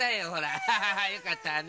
アッハハハよかったね。